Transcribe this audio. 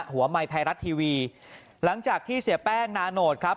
หัวใหม่ไทยรัฐทีวีหลังจากที่เสียแป้งนาโนตครับ